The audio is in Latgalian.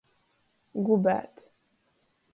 Gubēt.